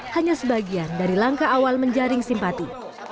hanya sebagian dari langkah awal menjaring simpati